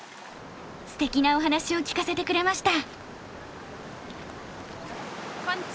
すてきなお話を聞かせてくれました。